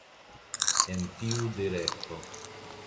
En tiu direkto.